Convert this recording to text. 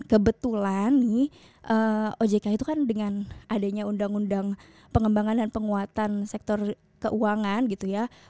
kebetulan nih ojk itu kan dengan adanya undang undang pengembangan dan penguatan sektor keuangan gitu ya